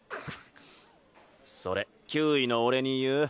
それ９位の俺に言う？